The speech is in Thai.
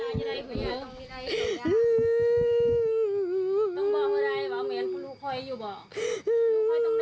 นั่งนั่งนั่งนั่งนั่งนั่งนั่งนั่งนั่งนั่งนั่งนั่งนั่งนั่งนั่ง